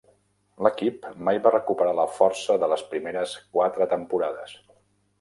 L'equip mai va recuperar la força de les primeres quatre temporades.